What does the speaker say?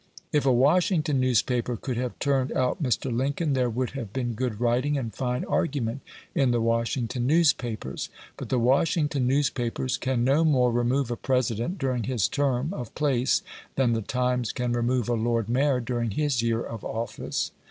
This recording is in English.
If a Washington newspaper could have turned out Mr. Lincoln, there would have been good writing and fine argument in the Washington newspapers. But the Washington newspapers can no more remove a President during his term of place than the Times can remove a lord mayor during his year of office.